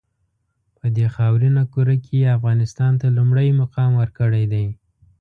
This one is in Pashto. په دې خاورینه کُره کې یې افغانستان ته لومړی مقام ورکړی دی.